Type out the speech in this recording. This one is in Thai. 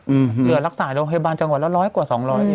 เหลือรักษาโรงพยาบาลจังหวัดละ๑๐๐กว่า๒๐๐บาท